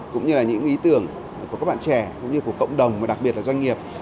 cũng như là những ý tưởng của các bạn trẻ cũng như của cộng đồng và đặc biệt là doanh nghiệp